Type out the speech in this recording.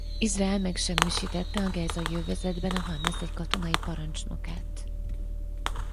Izrael megsemmisítette a Gázai övezetben a Hamász egy katonai parancsnokát.